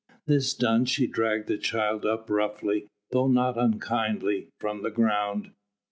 This done she dragged the child up roughly, though not unkindly, from the ground.